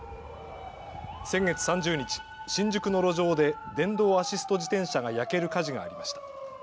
先月３０日、新宿の路上で電動アシスト自転車が焼ける火事がありました。